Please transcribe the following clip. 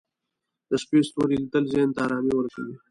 د شپې ستوري لیدل ذهن ته ارامي ورکوي